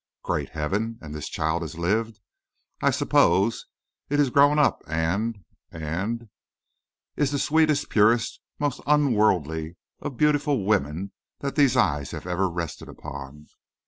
Great Heaven! and this child has lived, I suppose; is grown up and and " "Is the sweetest, purest, most unworldly of beautiful women that these eyes have ever rested upon."